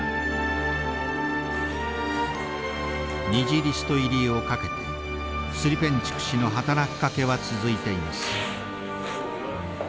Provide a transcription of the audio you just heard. ２次リスト入りを懸けてスリペンチュク氏の働きかけは続いています。